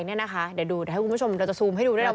เดี๋ยวดูให้คุณผู้ชมเราจะซูมให้ดูด้วยนะ